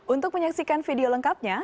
untuk menyaksikan video lengkapnya